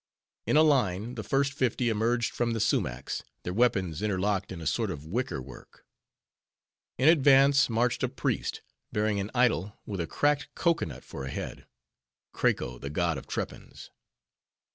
In a line, the first fifty emerged from the sumachs, their weapons interlocked in a sort of wicker work. In advance marched a priest, bearing an idol with a cracked cocoanut for a head,—Krako, the god of Trepans.